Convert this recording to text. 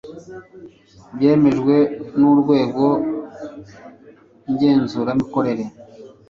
byemejwe n Urwego ngenzuramikorere